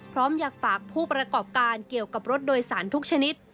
พร้อมอยากฝากผู้ประกอบการเกี่ยวกับรถโดยสารทุกชนิด